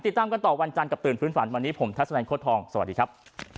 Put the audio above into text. ติดตามกันต่อวันจันทร์กับตื่นฟื้นฝันวันนี้ผมทัศนัยโค้ทองสวัสดีครับ